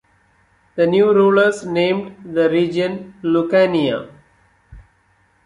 The new rulers named the region Lucania.